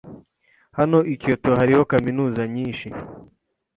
Hano i Kyoto hariho kaminuza nyinshi.